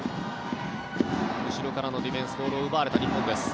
後ろからのディフェンスボールを奪われた日本です。